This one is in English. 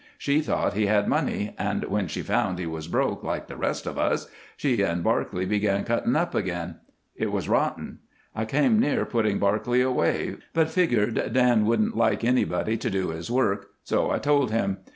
She thought he had money, and when she found he was broke like the rest of us she and Barclay began cuttin' up again. It was rotten. I came near putting Barclay away, but figgered Dan wouldn't like nobody to do his work, so I told him.